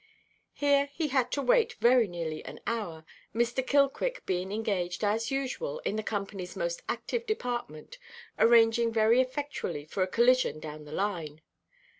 Here he had to wait very nearly an hour, Mr. Killquick being engaged, as usual, in the companyʼs most active department, arranging very effectually for a collision down the line.